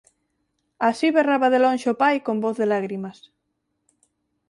Así berraba de lonxe o pai con voz de lágrimas.